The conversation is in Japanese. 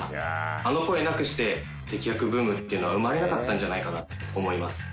あの声なくして敵役ブームっていうのは生まれなかったんじゃないかなと思います。